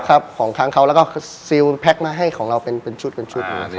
ครับของทางเขาแล้วก็ซีลแพ็คมาให้ของเราเป็นชุดเลยครับ